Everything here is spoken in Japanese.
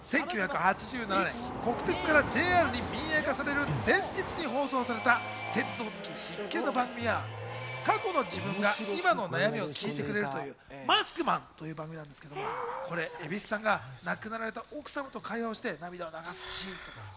今回は１９８７年、国鉄からＪＲに民営化される前日に放送された、鉄道好き必見の番組や過去の自分が今の悩みを聞いてくれる『マスクマン！』という番組なんですけど、これ蛭子さんが亡くなられた奥様と会話をして涙を流すシーン。